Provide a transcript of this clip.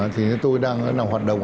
thì tôi đang hoạt động